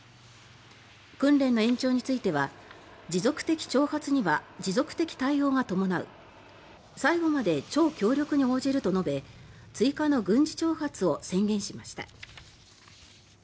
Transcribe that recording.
訓練の延長については持続的挑発には持続的対応が伴う最後まで超強力に応じると述べ追加の軍事挑発を宣言しました。